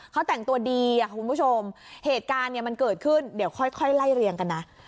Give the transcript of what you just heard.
เขาแต่งตัวดีอ่ะคุณผู้ชมเหตุการณ์เนี่ยมันเกิดขึ้นเดี๋ยวค่อยไล่เรียงกันนะ